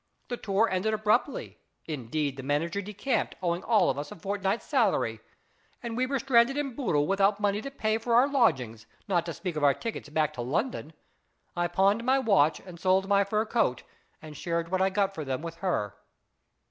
The tour ended abruptly ; indeed, the manager decamped, owing us all a fortnight's salary, and we were stranded in Bootle without money to pay for our lodgings, not to speak of our tickets back to London. I pawned my watch and sold my fur coat, and shared what I got for them with her."